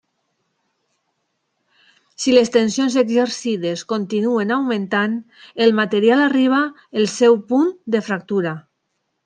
Si les tensions exercides continuen augmentant, el material arriba el seu punt de fractura.